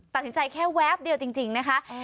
ตัดสินใจแค่แวบเดียวจริงนะคะ